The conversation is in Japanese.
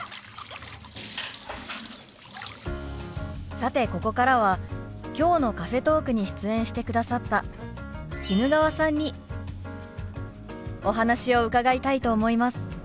さてここからはきょうのカフェトークに出演してくださった衣川さんにお話を伺いたいと思います。